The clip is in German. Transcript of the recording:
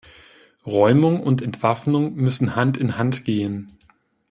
Räumung und Entwaffnung müssen Hand in Hand gehen.